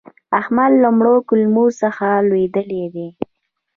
احمد له مړو کلمو څخه لوېدلی دی.